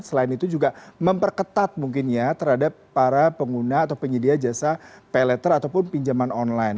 selain itu juga memperketat mungkin ya terhadap para pengguna atau penyedia jasa pay letter ataupun pinjaman online